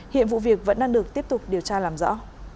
hiện vụ việc vẫn đang được tiếp tục điều tra làm rõ